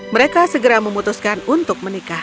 mereka segera memutuskan untuk menikah